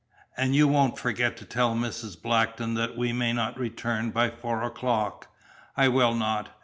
"And you won't forget to tell Mrs. Blackton that we may not return by four o'clock?" "I will not.